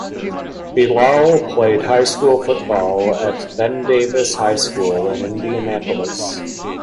Bilal played high school football at Ben Davis High School in Indianapolis.